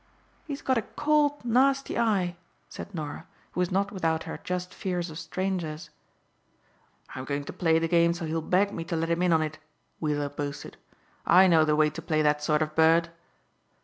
"He's got a cold, nasty eye," said Norah who was not without her just fears of strangers. "I'm going to play the game so he'll beg me to let him in on it," Weiller boasted. "I know the way to play that sort of bird."